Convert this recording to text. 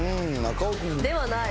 ではない。